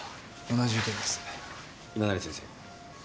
今成先生。